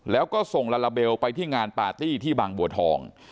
แล้วก็ส่งลาลาเบลไปที่งานปาร์ตี้ที่บางบัวทอง